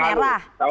yang tahun lalu